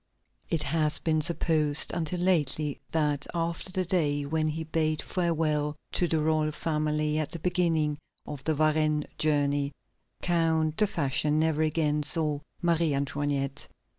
It has been supposed until lately that after the day when he bade farewell to the royal family at the beginning of the Varennes journey, Count de Fersen never again saw Marie Antoinette.